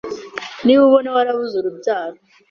Niba ubona warabuze urubyaro